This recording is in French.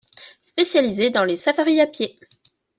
Spécialisé dans les safaris à pied.